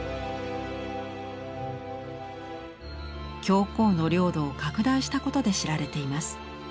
教皇の領土を拡大したことで知られています。